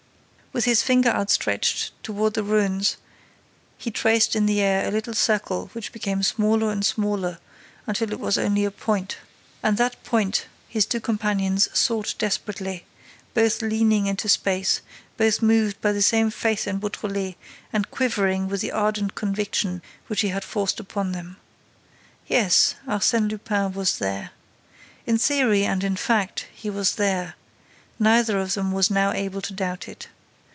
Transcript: With his finger outstretched toward the ruins, he traced in the air a little circle which became smaller and smaller until it was only a point. And that point his two companions sought desperately, both leaning into space, both moved by the same faith in Beautrelet and quivering with the ardent conviction which he had forced upon them. Yes, Arsène Lupin was there. In theory and in fact, he was there: neither of them was now able to doubt it.